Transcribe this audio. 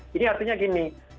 jadi artinya gini